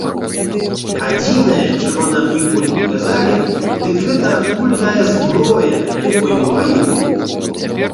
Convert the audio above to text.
Адзінае, чаго нам ніколі не казалі, дык гэта адкуль тая зброя, якой мы ваюем.